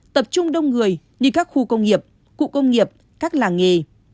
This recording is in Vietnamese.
tập trung đông người như các khu công nghiệp cụ công nghiệp các làng nghề